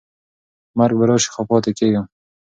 مرګ به راشي خو پاتې کېږم.